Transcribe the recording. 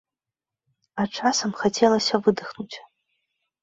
А часам хацелася выдыхнуць.